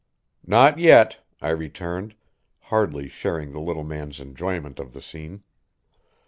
"Not yet," I returned, hardly sharing the little man's enjoyment of the scene.